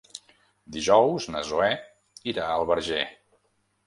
Dijous na Zoè irà al Verger.